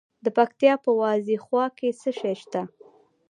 د پکتیکا په وازیخوا کې څه شی شته؟